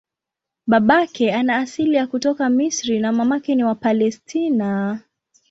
Babake ana asili ya kutoka Misri na mamake ni wa Palestina.